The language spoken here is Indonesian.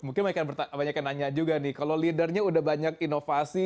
mungkin banyak yang nanya juga nih kalau leadernya udah banyak inovasi